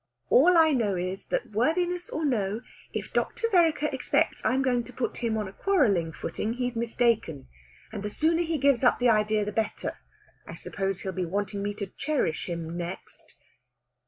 All I know is that, worthiness or no, if Dr. Vereker expects I'm going to put him on a quarrelling footing, he's mistaken, and the sooner he gives up the idea the better. I suppose he'll be wanting me to cherish him next."